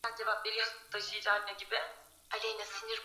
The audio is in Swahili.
Pambana na vijana wale